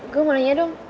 gue mau nanya dong